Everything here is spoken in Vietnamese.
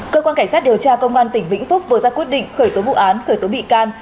cơ quan cảnh sát điều tra công an tỉnh vĩnh phúc vừa ra quyết định khởi tố vụ án khởi tố bị can